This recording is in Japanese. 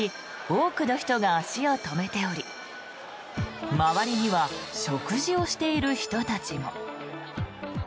多くの人が足を止めており周りには食事をしている人たちも。